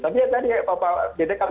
tapi tadi ke opa dt card